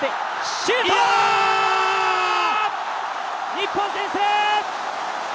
日本、先制！